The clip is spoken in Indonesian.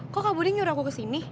kok kak budi nyuruh aku kesini